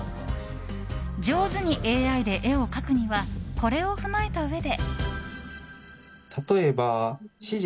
上手にＡＩで絵を描くにはこれを踏まえたうえで。